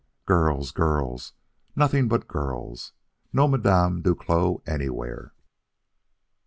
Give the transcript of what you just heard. Girls, girls! nothing but girls! No Madame Duclos anywhere.